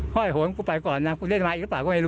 พอไอ้โหมึงกูไปก่อนน่ะกูได้ได้หมาอีกปากก็ไม่